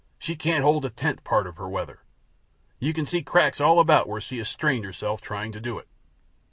She can't hold a tenth part of her weather. You can see cracks all about where she has strained herself trying to do it.